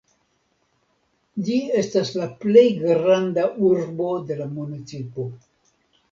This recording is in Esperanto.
Ĝi estas la plej granda urbo de la municipo.